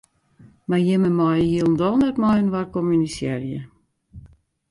Mar jimme meie hielendal net mei-inoar kommunisearje.